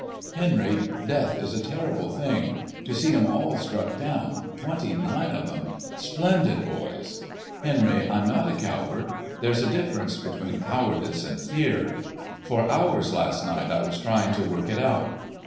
Henry, death is a terrible thing,—to see 'em all struck down, twenty nine of 'em—splendid boys. Henry, I'm not a coward. There's a difference between cowardice and fear. For hours last night I was trying to work it out.